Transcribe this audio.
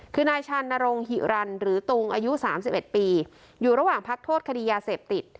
คือนายชานรงหิรันหรือตุงอายุ๓๑ปีอยู่ระหว่างพักโทษคดียาเสพติด